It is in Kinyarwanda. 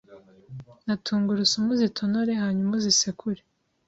na tungurusumu uzitonore hanyuma uzisekure.